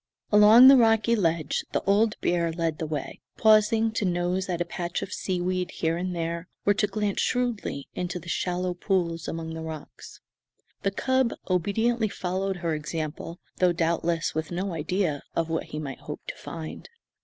Along the rocky ledge the old bear led the way, pausing to nose at a patch of seaweed here and there or to glance shrewdly into the shallow pools among the rocks. The cub obediently followed her example, though doubtless with no idea of what he might hope to find.